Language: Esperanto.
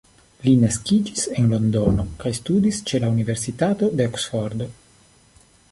Li naskiĝis en Londono kaj studis ĉe la Universitato de Oksfordo.